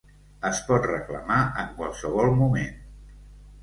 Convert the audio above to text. Es pot reclamar en qualsevol moment.